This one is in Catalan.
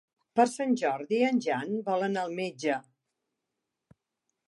Per Sant Jordi en Jan vol anar al metge.